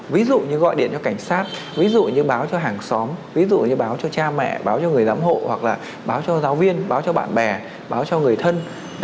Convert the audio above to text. ví dụ như gọi điện cho cảnh sát ví dụ như báo cho hàng xóm ví dụ như báo cho cha mẹ báo cho người giám hộ hoặc là báo cho giáo viên báo cho bạn bè báo cho người thân